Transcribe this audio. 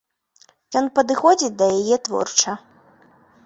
Ён падыходзіць да яе творча.